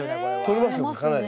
とれますよかなり。